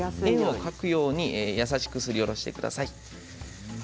円を描くように優しくすりおろしてください。